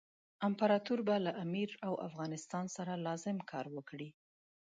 امپراطور به له امیر او افغانستان سره لازم کار وکړي.